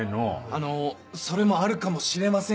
あのそれもあるかもしれませんけど。